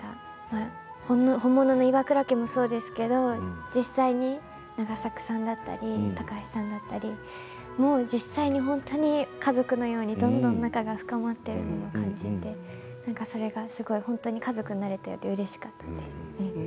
本物の岩倉家もそうですけど実際に永作さんだったり高橋さんだったりも実際に家族のようにどんどん仲が深まっているのを感じてそれが家族になれてうれしかったです。